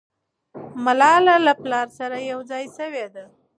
ملالۍ له پلاره سره یو ځای سوې ده.